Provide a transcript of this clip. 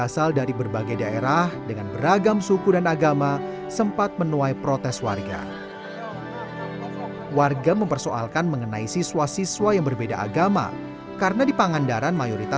yang istilahnya kami dapat akses dana dari situ